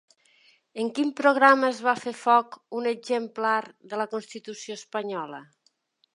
En quin programa es va fer foc un exemplar de la constitució espanyola?